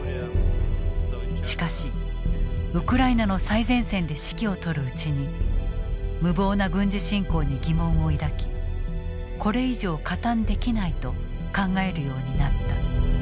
しかしウクライナの最前線で指揮を執るうちに無謀な軍事侵攻に疑問を抱きこれ以上加担できないと考えるようになった。